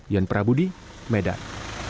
yan prabudi medan